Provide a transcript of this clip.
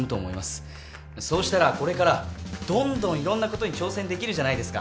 そうしたらこれからどんどんいろんなことに挑戦できるじゃないですか。